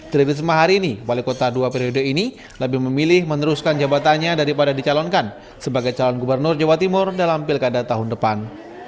tririsma hari ini wali kota dua periode ini lebih memilih meneruskan jabatannya daripada dicalonkan sebagai calon gubernur jawa timur dalam pilkada tahun depan